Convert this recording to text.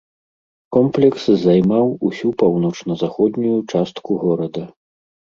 Комплекс займаў усю паўночна-заходнюю частку горада.